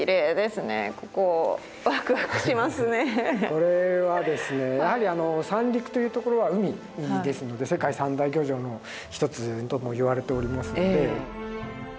これはですねやはりあの三陸という所は海ですので世界三大漁場の一つともいわれておりますので。